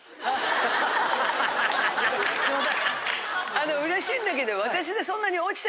あの嬉しいんだけど。